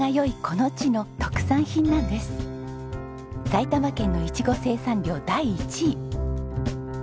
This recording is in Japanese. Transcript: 埼玉県のイチゴ生産量第１位。